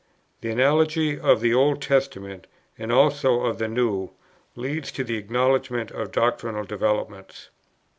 The analogy of the Old Testament, and also of the New, leads to the acknowledgment of doctrinal developments."